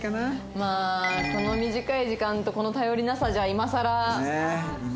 まあこの短い時間とこの頼りなさじゃ今さら２０代にいく事は。